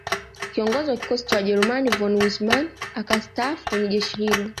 Kiongozi wa Kikosi cha Wajerumani von Wissmann akastaafu kwenye jeshi hilo